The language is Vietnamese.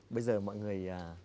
bây giờ mọi người